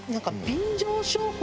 便乗商法？